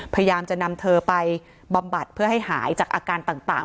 พยายามจะนำเธอไปบำบัดเพื่อให้หายจากอาการต่าง